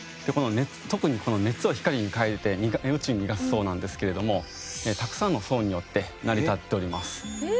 特にこの熱を光に変えて宇宙に逃がす層なんですけれどもたくさんの層によって成り立っております。